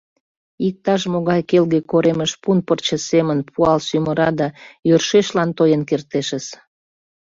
Иктаж-могай келге коремыш пун пырче семын пуал сӱмыра да йӧршешлан тоен кертешыс.